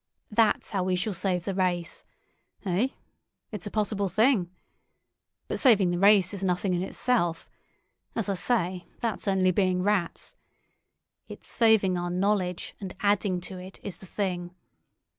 That's how we shall save the race. Eh? It's a possible thing? But saving the race is nothing in itself. As I say, that's only being rats. It's saving our knowledge and adding to it is the thing.